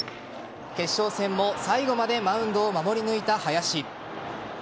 決勝戦も最後までマウンドを守り抜いた林。